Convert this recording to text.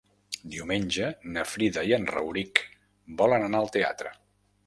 Diumenge na Frida i en Rauric volen anar al teatre.